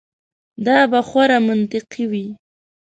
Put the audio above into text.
دا به خورا منطقي وي.